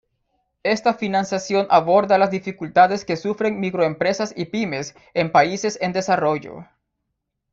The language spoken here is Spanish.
Esta financiación aborda las dificultades que sufren microempresas y pymes en países en desarrollo.